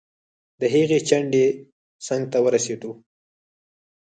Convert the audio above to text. د هغې چنډې څنګ ته ورسیدو.